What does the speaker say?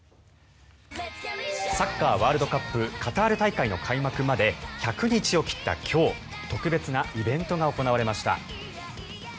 サッカーワールドカップカタール大会の開幕まで１００日を切った今日特別なイベントが行われました。